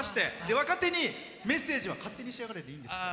若手にメッセージは「勝手にしやがれ」でいいんですか？